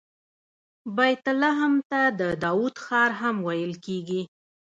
بیت لحم ته د داود ښار هم ویل کیږي.